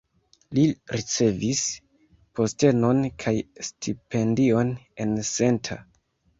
Li ricevis postenon kaj stipendion en Senta.